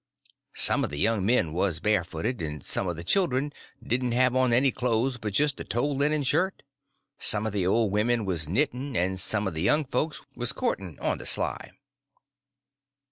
Some of the young men was barefooted, and some of the children didn't have on any clothes but just a tow linen shirt. Some of the old women was knitting, and some of the young folks was courting on the sly.